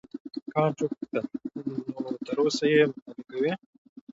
کانت وپوښتل نو تر اوسه یې مطالعه کوې.